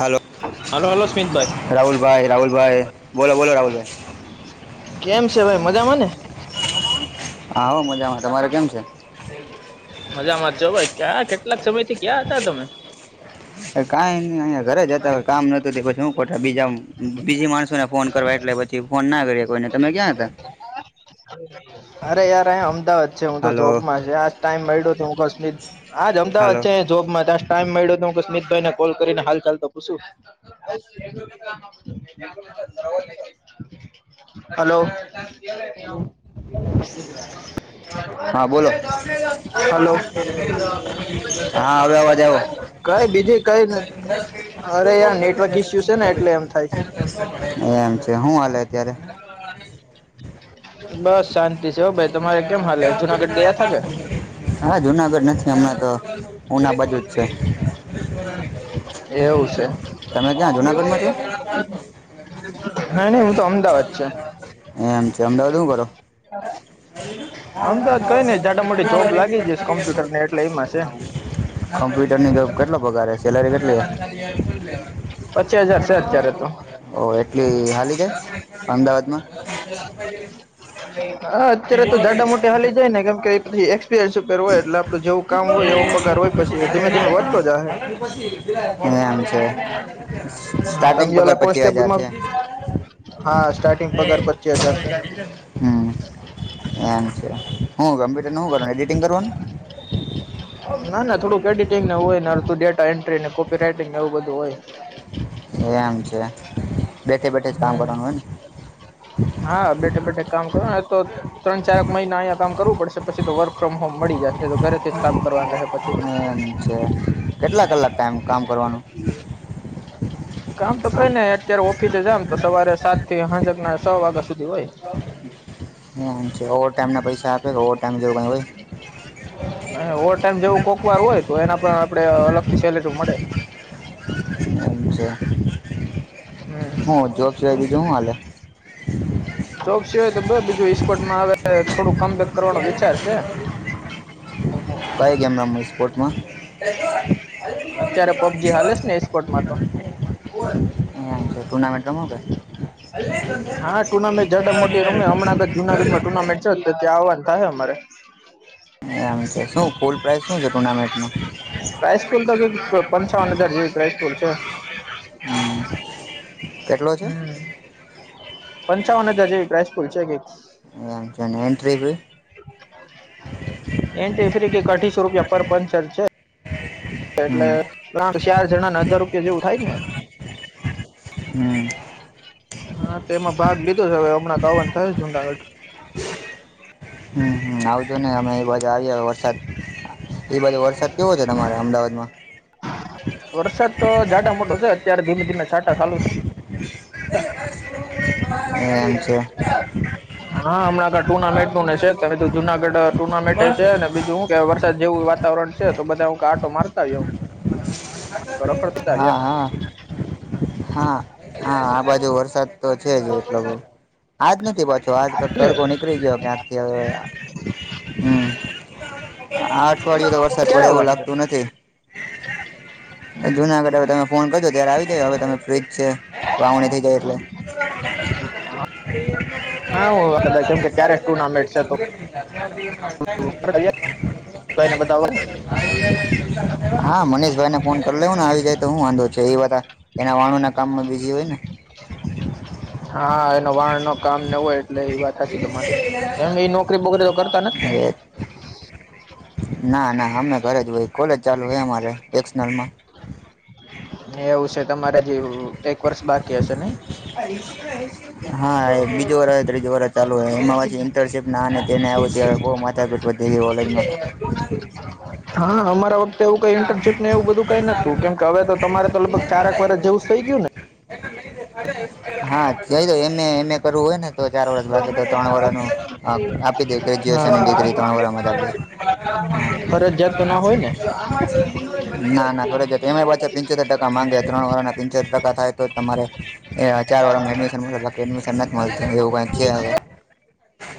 હાલો hello hello સ્મિતભાઈ રાહુલભાઈ રાહુલભાઈ બોલો બોલો રાહુલભાઈ કેમ છે ભાઈ મજામાં ને હા હું મજામાં તમારે કેમ છે? મજામાં જ છો ભાઈ ક્યાં કેટલાક સમય થી ક્યાં હતા તમે કાયની અયા ઘરે જ હતા કામ ન [unintelligible] શું બીજા બીજી માણસોને ફોન કરવા એટલે પછી ફોન ના કરી કોઈને તમે ક્યાં હતા અરે યાર અહીયા અમદાવાદ છે હું તો હલો જોબમાં છે આ ટાઈમ મળ્યો તો હું [unintelligible] આજ અમદાવાદ હલો છે જોબમાં ત્યાં ટાઈમ મયળો તો હું સ્મિતભાઈને કોલ કરીને હાલ ચાલ તો પૂછું [inaudible] હલો હલો [inaudible] હલો હા હવે અવાજ આવ્યો કઈ બીજ કઈ ન અરે યાર નેટવર્ક ઈસ્યુ છે ને એટલે એમ થાય છે [inaudible] એમ છે હું હાલે અત્યારે બસ શાંતિ છે ભાઈ તમારે કેમ હાલે જુનાગઢ ગયા થા કે હા જુનાગઢ નથી હમણાં તો ઉના બાજુ જ છે એવું છે તમે ક્યાં જુનાગઢમાં છો? નઈ નઈ હું તો અમદાવાદ છે એમ છે અમદાવાદ હું કરો [inaudible] અમદાવાદ કઈ નઈ જાટ મોટી જોબ લાગી જઈશ કોમ્પ્યુટર ને એટલે એમાં છે કોમ્પ્યુટરની જોબ કેટલો પગાર હે સેલરી કેટલી હે પચાસ હજાર છે અત્યારે તો ઓ એટલી હાલી કે અમદાવાદમાં હા અત્યારે તો જાડા મોટી હાલી જાય ને કેમ કે એક્સપિરિયન્સ ઉપર હોય એટલે આપડે જવું કામ હોય એવો પગાર હોય પછી ધીમે ધીમે વધતો જાહે એમ છે સ્ટાર્ટિંગ પગાર [unintelligible] પચીસ હજાર કોન્સ્ટેબલમાં છે હા સ્ટાર્ટિંગ પગાર પચીસ હજાર છે હમ હ એમ છે હું કમ્પ્યુટર શું કરવાનું એડિટિંગ કરવાનું. ના ના થોડુંક્રેડિટિંગને હોયને તું ડે તો એન્ટ્રી અને કોપી રાઈટિંગ એવું બધું હોય એમ છે બેઠે બેઠે જ કામ કરવાનું હમ હોય ને હા બેઠે બેઠે કામ કરો ને તો ત્રણ ચાર મહિના અહીિયાયા કામ કરવું પડશે પછી તો વર્ક ફ્રોમ હોમ મળી જાય તો ઘરેથી જ કામ કરવાનું રહે પછી એમ છે કેટલા કલાક ટાઈમ કામ કરવાનું કામ તો કઈ નને અત્યારે ઓફિસે જામ તો સવારે સાત થી હંજક ના છ વાગ્યા દેવાય એમ છે ઓવર ટાઈમના પૈસા આપે કે ઓવર ટાઈમ જોવું હોાઈ અને ઓવર ટાઈમ જેવું કોકવાર હોય તો એના પણ આપડે અલગથી સેલેરી મળે [inaudible] પમ છે હમ હું જોબ સિવાય બીજું શું હાલે જોબ સિવાય તો બ બીજું ઇસ્કોર્ટમાં આવે થોડું કમ બેેક કરવાનો વિચાર છે. કઈ ગેમનામ સ્પોર્ટમાં અત્યારે પબજી હાલે છે ને એસ્પોર્ટમાં તો ટુર્નામેન્ટ રમ કે હા ટુર્નામેન્ટ જ મોટી રમ હમણાં જુનાગઢ માં ટુર્નામેન્ટ ત્યાં આવવાનું થશે અમારે એ આમ છે શું ફૂલ પ્રાાઈઝ શું છે ટુર્નામેન્ટ ન પ્રાઈસ્કૂલ તો પંચાવન હજાર જેવી પ્રાઈસ્કૂલ છે. હમ કેટલો છે હમ પંચાવન હજાર જે વ પ્ર્રાયસ પુલચ એક એક એ એન્ટ્રી ભ એન તો ફરી અઠીસો રૂપિયા પર પંચર છે. એટલે હમ ચાર જણા હજાર રૂપિયા જેવું થાય ને હમ હ હા તે એમાં ભાગ લીધો છે હવે હમણાં કવન થયસ જુનાગઢ [inaudible] હમમ આવજો ને અમે આવી વરસાદ એ બાજુ વરસાદ કેવો છે તમારે અમદાવાદમાં વરસાદ તો જાડા મોટો છે અત્યારે ધીમે ધીમે સાટા ચાલુ છે. [inaudible] એમ છે હા હમણાં ટુર્નામેન્ટ નું ને છે તોમે તો જુનાગઢ ટુર્નામે છે અને બીજું હું કે વરસાદ જેવું વાતાવરણ છે તો બધા હું આટો મારતા હો હા હા હા હા આ બાજુ વરસાદ તો છે જ એટલો બ આજ નથી પાછો આજક એમ તડકો નીકળી ગયો કે આ થી હવે હમ અઠવાડિયે તો વરસાદ ક્યારે પડે એવું આવવાના છે લાગતું નથી. જુનાગઢ તમે ફોન કરજો અત્યારે આવી જાય હવે તમે ફ્રી વાવણી થઈ જાય એટલે હા હું કદાચ કેમ કે ત્યારે જ ટુર્નામેન્ટ છે તો [unintelligible] [inaudible] કોઈને બતાવો હા મનીષભાઈને ફોન કરી લેવ ને આવી જાય તો હું વાંધો છ એ વા એના વાણુ ના કામમાં બીઝી હોય ને હા એનો વાણ ન કામ ન હોય એટલે એ વાત સાચી તમારી નોકરી વગેરે તો કરતા નથી ને એ ના ના અમે ઘરે જ હોય કોલેજ ચાલુ હે અમારે એક્ઝનલ મા એવું છે તમારે જેવું એક વર્ષ બાકી હશે નઈ હરિદ્વારા ચાલુ એમાં પછી ઇન્ટર્નશીપ ના અને તેને આવ બહુ માથાકૂટ વધી ગઈ કોલેજમાં [unintelligible] હા અમારા વખતે એવું કઈ ઇન્ટર્નશીપ ને એવું બધું કઈ નતું કેમ કે હવે તો તમારે તો લગભગ ચાર આક વરસ જેવું થઈ ગયું ને હા જોય તો એમ એમ એ કરવું હોય ને તો ચાર વરષ બાકી તો ત્રણ વરષ ન હા આપી દે ગ્રેજ્યુએશન ની ડિગ્રી ત્રણ વરમ જ આપ દે. હા ફરજિયાત તો ના હોય ને કર છે પાછ પિંચોતેર ટકા માંગ્યા ત્રણ વાર ના પિંચોર ટકા થાય તો તમારે ચાર વારમાં એડમિશન મળ બાકી એડમિશન નથી મળતી એવું કઈક છે હવે.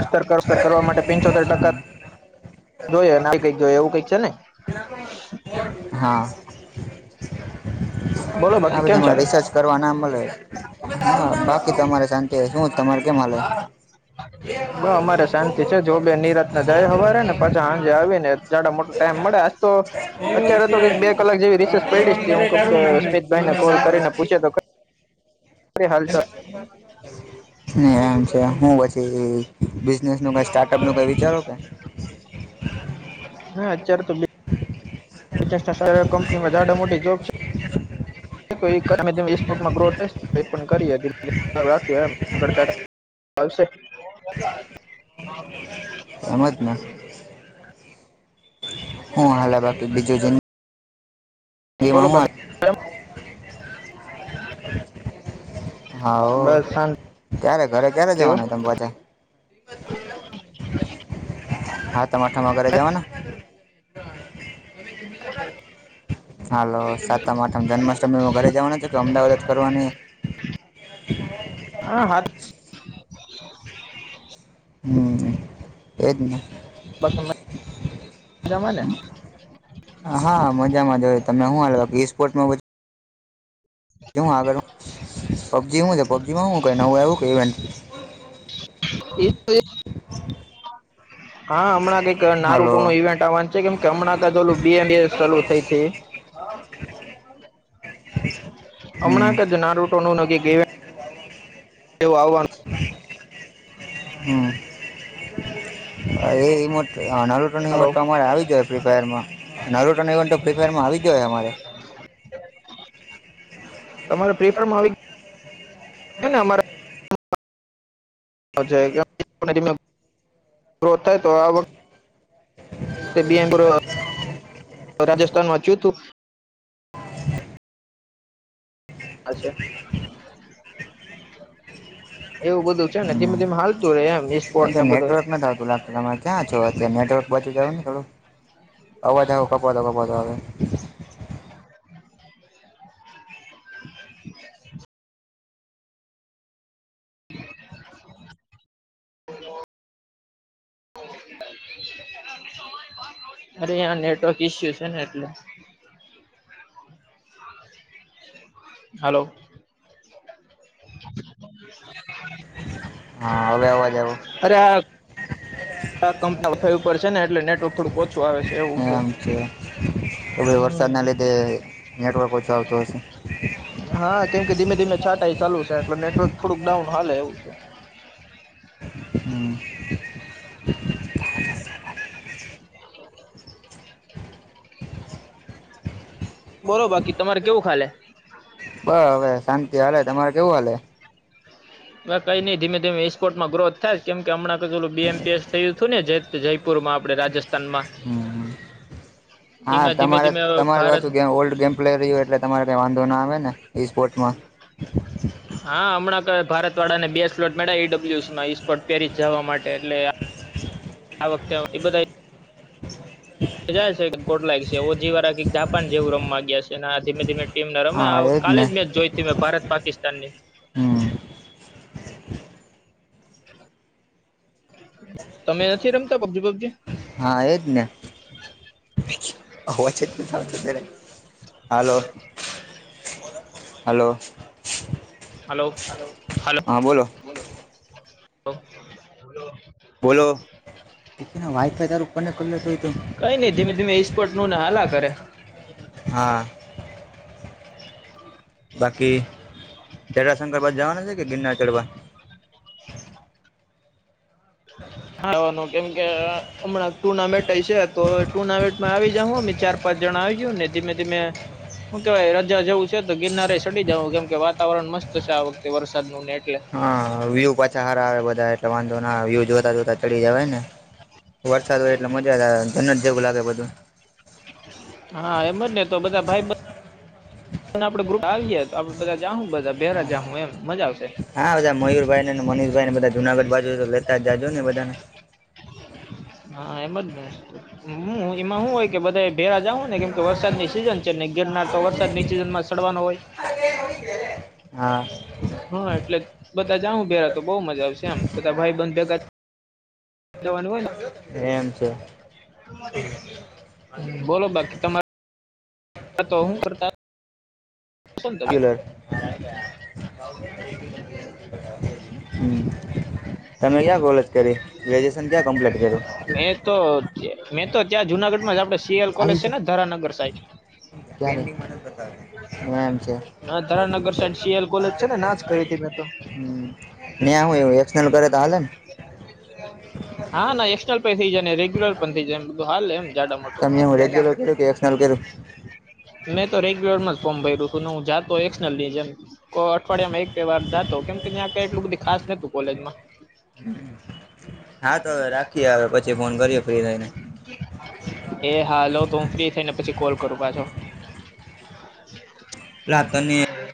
અસ્તર કરસ્તર કરવા માટે પંચોતેર ટકા જોય ના કઈ જોય એવું કઈક છે ને હા બોલો આ બાકી પછી કેમ તમારે ચાલે રિસર્ચ કરવા ના મળે હા બાકી તમારે શાંતિ શું તમારે કેમ હાલે. બ અમારે શાંતિ છે જોબે નીરાતને જાય હવારે ને પાછા સાંજે આવી ને. જાડા મોટા ટાઈમ મળે આજ તો એવું છે અત્યારે બે કલાક જેવી હા રિસેસ એમાં પડીશ બધે હું તારું નામ સ્મિત ભાઈ ને કોલ કરીને નાખ્યું પૂછે તો હાલ ચાલ એમ છે હું પછી બિનેસ નું કઈ સ્ટાર્ટ ટપ નુ કઈ વિચારો કે હા અત્યારે તો બિઝન્સના સારા કંપનીમાં ઝડા મોટી જોબ છે. [unintelligible] ગ્રોથ થ એ પણ કરી રાખ આગ આવશે એમ તને હુ હાલા બાકી બીજું બોલો બાકી કેમ? [unintelligible] [inaudible] હા બસ શાંતિ ક્યારે ઘરે ક્યારે હો જવાનું તમે પાછા હાતમ આઠમ એ ઘરે જવાના. [inaudible] હાલો સાતામ આઠમ જન્માષ્ટમી ઘરે જવાનું છે કે અમદાવાદ જ કરવાની. હા હાત હમ એજ ને બાકી મજામાં ને હા મજામાં જ તમે શું હાલ સ્પોર્ટમાં કે હું આગળ પબજી હું છે પબજી માં હું ક નવું આવું ઇવેન્ટ હા હમણાં કક નારુ હાલો ટો ન ઇવેન્ટ વાચે કેમ કે હમણાં ઓલું બી એમસ ચાલુ થઈ. હમ હમણાંક જ નારૂટોનું કંઈક ઇવેન્ટ [inaudible] એવું આવવાનું હમ એ ર તો હાલો અમારે આવી જાય ફ્રી ફાયરમાં અને રોટોન્ટ તો ફ્રી ફાયરમાં આવી જ હોય અમારે તમારે ફ્રી ફાયર મા આવી ગયું છે ને અમારા [inaudible] ગ્રોથ થાય તો આ બમપુર રાજસ્થાનુ તુ હ છે. એવું બધું છે ને ધીમે ધીમે હાલતું રહેે એમ ઈ સ્પોર્ટ અ ને બધું નેટવર્ક નથી આવતું લાગ તમે ક્યાં છો અત્યારે નેટવર્ક બચી જયું ને થોડુ અવાજ કપાતો કપોતો હવે અરે અં નેટવર્ક ઈસ્યુ છેને, એટલે હલો હા હવે અવાજ આવો કંપના ફાઈ ઉપર છેને, એટલે નેટવર્ક થોડુંક ઓછું આવે છે એવું છે. તો ભાઈ વરસાદ ના હમ લીધે નેટવર્ક ઓછો આવતોુ હશે. હા કેમ કે ધીમે ધીમે છાંટાઈ ચાલુ છે, એટલે નેટવર્ક થોડુંક ડાઉન હાલે એવું છે. હમ્મ બોલો બાકી તમારે કેવું ખાલે બ હવે શાંતિ હાલે, તમારે કેવું હાલે હ કઈ નઈિ ધીમે ધી ઇસ્પર્ટમાથ થાય, કેમ હમણાં ક પેલ બી એમપએસ થયુ. ને જયપુરમાં આપણે રાજસ્થ હમ હા એમાં ધીમે તમારે ધીમે તમારે તો ભારત પાછું ગમ ઓલ્ડ ગેમ. પ્લેયર રહ એટલે તમારે કઈ વાંધો ના આવે નેઈ સ્પોર્ટમા હા હમણાં ભતળડા ને બે સ્લોટ મેળ્યા ઈ ડબલ્યુસી માં ઈ પેરિસ જવા માટે એટલે આ વખતે એ બધા જાય છે ગોટલાય છે ઓજીી વાળા જાપાન જેવું રમ માં ગયા છેને, આ ધીમે ધીમે ટીમને રમે હા એજ કાલે ને જ મેચ જોઈ મે ભારત પાકિસ્તાન ની હા તમે નથી રમતા પબજી પબજી આયોજઞ હાલો હલો હલો હલો બોલો વાઇફાઈ તારું ઉપરને કરલે તો કઈ નઈ ધીમે ધીમે ઈસ્પોર્ટ નું ને હાલા કરે હા બાકી ચડા શંકર બાદ જવાના છે, કે ગિરનાર ચઢવા. હાવાનું કેમ કે હમણાં ટુર્નામેન્ટ છે, તો ટુર્નામેન્ટમાં આવી જા અમે ચાર પાજણા ઓને ધીમે ધીમે શ કે ભાઈ રજા જવું છે તો ગિરનારે સડી જવું કેમ કે વાતાવરણ મસ્ત છે, આ વખતે વરસાદ ન એટલે હા વ પા ચારા આવે બધા એટ વાંધો ના વ્યુ જોતા જોતા ચડી જવાય ને વરસાદ હોય, એટલે મજા ધન જ જેવુ લાગે બધું હા એમ જ ને તો બધા ભાઈ આપડે ગ્રુપ આવીએ તો આપડ બધા જા બધા બેરા જા એમ મજા આવશે હાધા મયુરભાઈ ને અને મનીષભાઈ ને બધા જુનાગઢ બાજુ તો લેતા જ જાજો ને બધાને હા એમ જ હુ એમાં શું હોય, કે બધા ભેરા જાઉ કેમ કે વરસાદની સીઝન છેને, ગિરનાર તો વરસાદ ની સિઝન માં સડવાનો હોય. હા હા એટલે બધા જાઉુ પેરા તો બઉુ મજા આવશે એમ બધા ભાઈ બંધ ભેગા એમ છે હોયને બોલો બાકી તમારે હા તો હુ કરતા શ તો હમ્મ તમે ક્યાં કોલેજ કરી ગ્રેજ્યુએશન ક્યાં કમ્પ્લીટ કર્યુ મેં તો મેં તો ત્યાં જુનાગઢમાં જ આપડે સીએલ કોલેજ છે ને ધરાનગર સાઈબ [unintelligible] બતાવ ના ધરાનગર સાઈડ સીએલ કોલેજ છે ને ના જ કરી હતી મેં તો હમ્મ ન્યાં હય એવું એસલ કરે તો હાલે ને હા ના એક્સલ પણ થઇ જાય ને રેગ્યુલર પણ થઇ જાય બધું હાલ એમ જાડા મોટું તમે [unintelligible] મેં તો રેગ્યુલર જ ફોર્મ ભર્યું છું ને હું જાતતો એક્શનલ ની એમ અઠવાડિયા માં એક તવાર જાતો કેમ કે ત્યાં ક એટલું બધી ખાસ નતું કોલેજમાં હા તો હવે રાખીએ હવે પછી ફોન કરીએ ફ્રી થઈને એ હાલાલો તું હું ફ્રી થઈ ને પછી કોલ કરું પાછો એટલે લતા તને ન આવે